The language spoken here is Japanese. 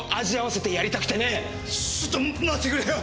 ちょっと待ってくれよ！